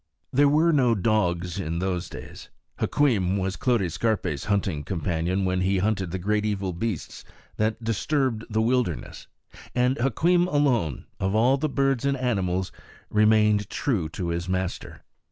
There were no dogs in those days. Hukweem was Clote Scarpe's hunting companion when he hunted the great evil beasts that disturbed the wilderness; and Hukweem alone, of all the birds and animals, remained true to his master.